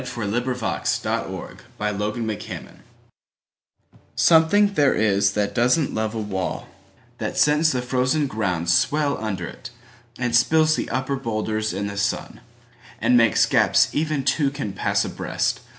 1919. Robert Frost1874–1963 Mending Wall SOMETHING there is that doesn't love a wall, That sends the frozen ground swell under it, And spills the upper boulders in the sun; And makes gaps even two can pass abreast.